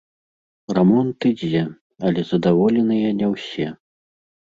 Рамонт ідзе, але задаволеныя не ўсе.